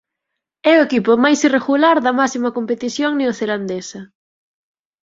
É o equipo mais irregular da máxima competición neozelandesa.